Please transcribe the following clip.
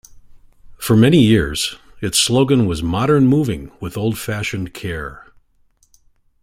For many years, its slogan was Modern moving with old fashioned care.